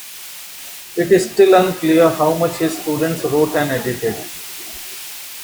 It is still unclear how much his students wrote and edited.